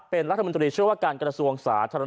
เป็นรัฐมนตรีเชื่อว่าการกระทรวงสาธารณ